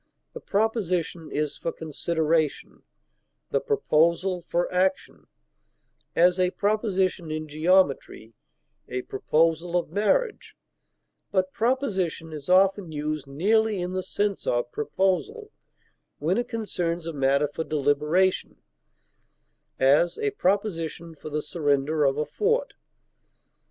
The proposition is for consideration, the proposal for action; as, a proposition in geometry, a proposal of marriage; but proposition is often used nearly in the sense of proposal when it concerns a matter for deliberation; as, a proposition for the surrender of a fort.